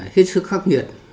hết sức khắc nghiệt